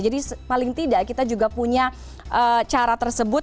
jadi paling tidak kita juga punya cara tersebut